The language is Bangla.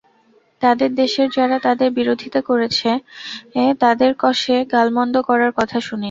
তাঁদের দেশের যাঁরা তাঁদের বিরোধিতা করেছেন, তাঁদের কষে গালমন্দ করার কথা শুনিনি।